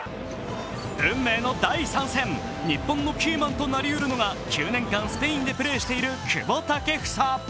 運命の第３戦、日本のキーマンとなりうるのが９年間スペインでプレーしている久保建英。